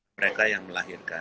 mereka yang melahirkan